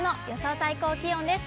最高気温です。